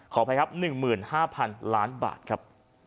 ขออภัยครับ๑๕๐๐๐ล้านบาทครับ